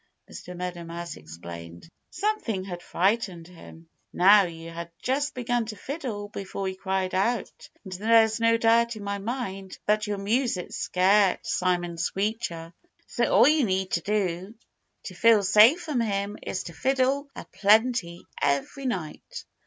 Mr. Meadow Mouse exclaimed. "Something had frightened him. Now, you had just begun to fiddle before he cried out. And there's no doubt in my mind that your music scared Simon Screecher. So all you need do to feel safe from him is to fiddle a plenty every night."